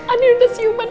anir udah siuman